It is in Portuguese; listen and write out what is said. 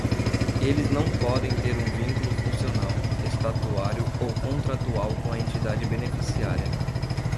Eles não podem ter um vínculo funcional, estatutário ou contratual com a entidade beneficiária.